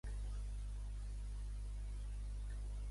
Wills va doblar i Gilliam va fer la cursa sol.